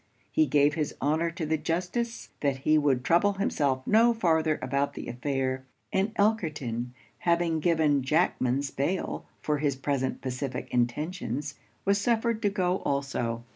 He gave his honour to the justice that he would trouble himself no farther about the affair; and Elkerton having given Jackman's bail for his present pacific intentions, was suffered to go also.